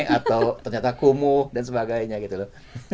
atau ternyata kumuh dan sebagainya gitu loh